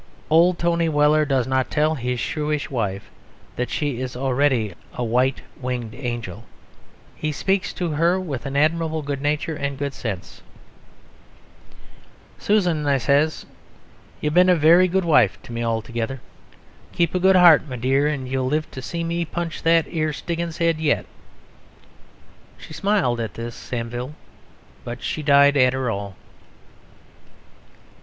Old Tony Weller does not tell his shrewish wife that she is already a white winged angel; he speaks to her with an admirable good nature and good sense: "'Susan,' I says, 'you've been a wery good vife to me altogether: keep a good heart, my dear, and you'll live to see me punch that 'ere Stiggins's 'ead yet.' She smiled at this, Samivel ... but she died arter all."